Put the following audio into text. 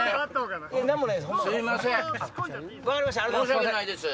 申し訳ないです。